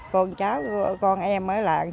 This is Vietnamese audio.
con em ở làng